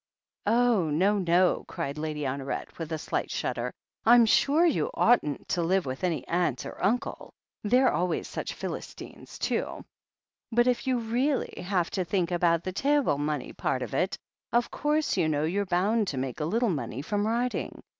"Oh, no, no!" cried Lady Honoret with a slight shudder. "I'm sure you oughtn't to live with any uncle and aunt — ^they're always such Philistines, too — ^but if you really have to think about the te'ible money part of it, of course you know you're bound to make a little money from writing.